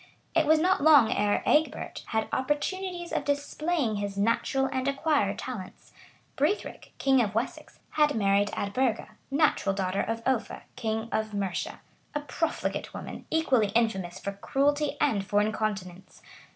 It was not long ere Egbert had opportunities of displaying his natural and acquired talents. Brithric, king of Wessex, had married Eadburga, natural daughter of Offa, king of Mercia, a profligate woman, equally infamous for cruelty and for incontinence.